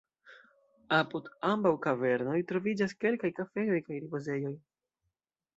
Apud ambaŭ kavernoj troviĝas kelkaj kafejoj kaj ripozejoj.